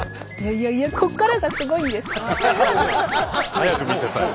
早く見せたい。